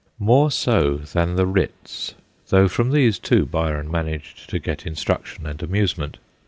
More so than the writs, though from these too Byron managed to get instruction and amusement.